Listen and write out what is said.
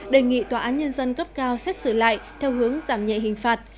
đề nghị tòa án nhân dân cấp cao xét xử lại theo hướng giảm nhẹ hình phạt